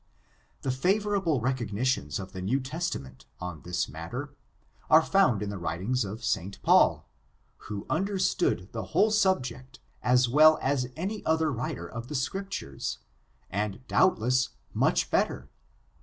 The favorable recognitions of the New Testament on this matter, are found in the writings of St. Paul, who understood the whole subject as well as any other writer of the Scriptures, and, doubtless, much better.